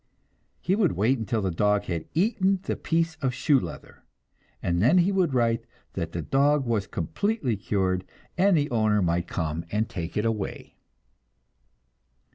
He would wait until the dog had eaten the piece of shoe leather, and then he would write that the dog was completely cured, and the owner might come and take it away.